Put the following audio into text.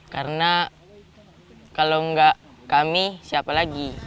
karena kalau enggak kami siapa lagi